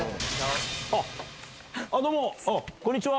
あっどうもこんにちは。